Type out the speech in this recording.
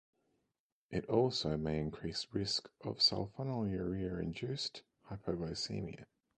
It also may increase risk of sulfonylurea-induced hypoglycemia.